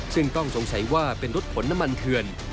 ซึ่งต้องสงสัยว่าเป็นรถขนน้ำมันเถื่อน